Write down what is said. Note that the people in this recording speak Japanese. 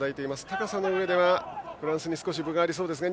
高さのうえではフランスに少し分がありそうですね。